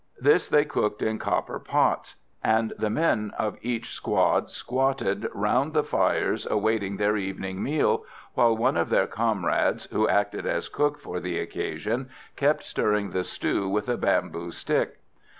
This they cooked in copper pots, and the men of each squad squatted round the fires awaiting their evening meal, while one of their comrades, who acted as cook for the occasion, kept stirring the stew with a bamboo stick.